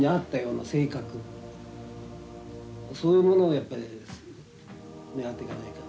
そういうものをやっぱりねらっていかないと。